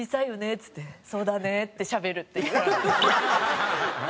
っつって「そうだね」ってしゃべるっていうのが。